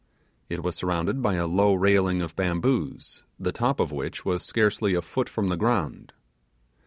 It was surrounded by a low railing of bamboos, the top of which was scarcely a foot from the ground.